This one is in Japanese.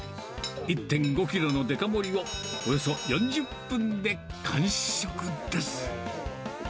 １．５キロのデカ盛りを、およそ４０分で完食です。